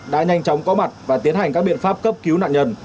đã nhanh chóng có mặt và tiến hành các biện pháp cấp cứu nạn nhân